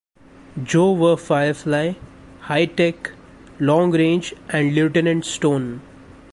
Joe were Firefly, Hi-Tech, Long Range and Lieutenant Stone.